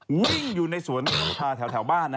วิ่งอยู่ในสวนของลูกค้าแถวบ้าน